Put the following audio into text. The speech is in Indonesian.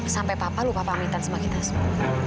sampai papa lupa pamitan sama kita semua